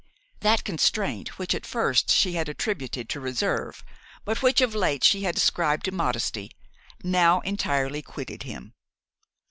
That constraint which at first she had attributed to reserve, but which of late she had ascribed to modesty, now entirely quitted him.